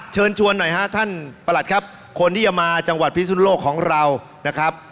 เชิญชวนหน่อยฮะท่านประหลัดครับคนที่จะมาจังหวัดพิสุนโลกของเรานะครับ